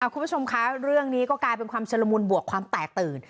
คุณผู้ชมคะเรื่องนี้ก็กลายเป็นความชุลมุนบวกความแตกตื่น